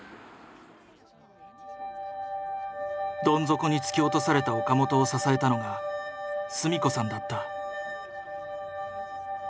どん底に突き落とされた岡本を支えたのが純子さんだった。